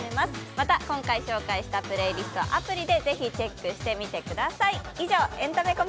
また今回紹介したプレイリストはアプリでぜひチェックしてみてください。